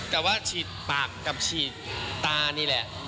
แต่ว่าฉีดปากกับฉีดตานี่แหละ